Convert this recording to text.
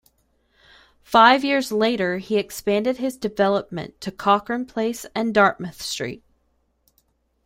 Five years later he expanded his development to Cochran Place and Dartmouth Street.